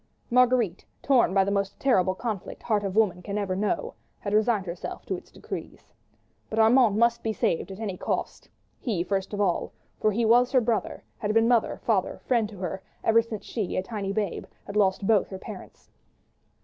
Marguerite, torn by the most terrible conflict heart of woman can ever know, had resigned herself to its decrees. But Armand must be saved at any cost; he, first of all, for he was her brother, had been mother, father, friend to her ever since she, a tiny babe, had lost both her parents.